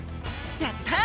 やった！